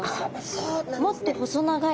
もっと細長い。